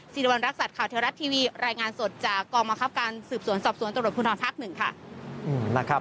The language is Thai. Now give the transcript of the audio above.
สิริวัณรักษัตริย์ข่าวเทวรัฐทีวีรายงานสดจากกองบังคับการสืบสวนสอบสวนตำรวจภูทรภาคหนึ่งค่ะ